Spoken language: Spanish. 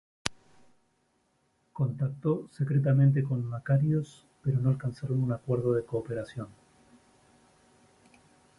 Contactó secretamente con Makarios pero no alcanzaron un acuerdo de cooperación.